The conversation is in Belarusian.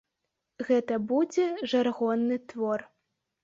Гэта будзе жаргонны твор.